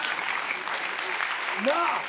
なあ。